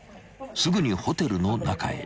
［すぐにホテルの中へ］